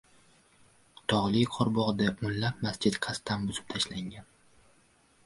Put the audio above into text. “Tog‘li Qorabog‘da o‘nlab masjid qasddan buzib tashlangan”